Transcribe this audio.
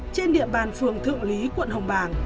trên địa bàn phường thượng lý quận hồ